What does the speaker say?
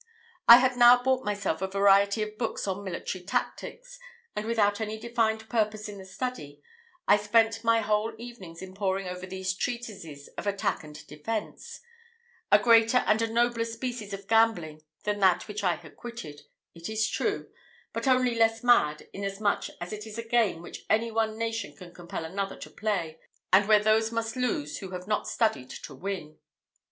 I had now bought myself a variety of books on military tactics, and, without any defined purpose in the study, I spent my whole evenings in poring over these treatises of attack and defence a greater and a nobler species of gambling than that which I had quitted, it is true, but only less mad, inasmuch as it is a game which any one nation can compel another to play, and where those must lose who have not studied to win.